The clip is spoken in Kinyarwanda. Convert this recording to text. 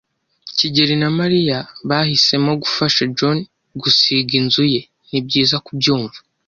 "kigeli na Mariya bahisemo gufasha John gusiga inzu ye." "Nibyiza kubyumva."